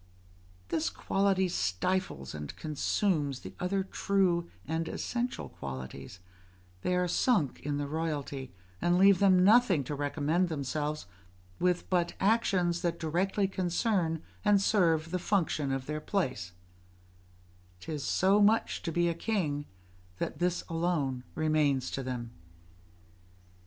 This quality stifles and consumes the other true and essential qualities: they are sunk in the royalty, and leave them nothing to recommend themselves with but actions that directly concern and serve the function of their place; 'tis so much to be a king, that this alone remains to them.